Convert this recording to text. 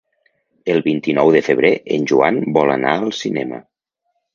El vint-i-nou de febrer en Joan vol anar al cinema.